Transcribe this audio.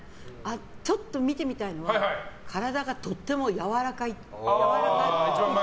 ちょっと見てみたいのは体がとてもやわらかいっぽい。